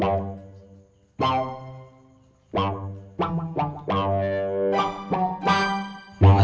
papa kembali ke kantor ya